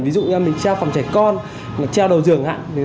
ví dụ như mình treo phòng trẻ con treo đầu giường chẳng hạn